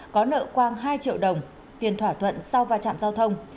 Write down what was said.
có nợ quang hai triệu đồng tiền thỏa thuận sau va chạm giao thông